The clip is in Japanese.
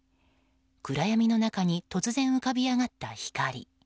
暗闇の中に突然浮かび上がった光。